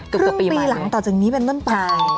ครึ่งปีหลังต่อจากนี้ไปนั่นไป